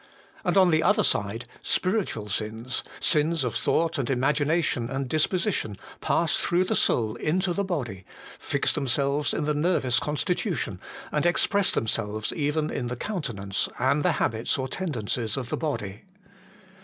And on the other side, spiritual sins, sins of thought and imagination and disposition, pass through the soul into the body, fix themselves in the nervous constitution, and express themselves even in the countenance and the habits or tenden cies of the body.